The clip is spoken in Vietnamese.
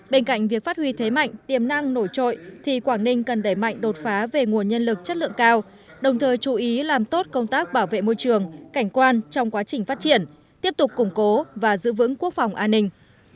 bên cạnh việc phát huy thế mạnh tiềm năng nổi trội thì quảng ninh cần đẩy mạnh đột phá về nguồn nhân lực chất lượng cao đồng thời chú ý làm tốt công tác bảo vệ môi trường cảnh quan trong quá trình phát triển tiếp tục củng cố và giữ vững quốc phòng an ninh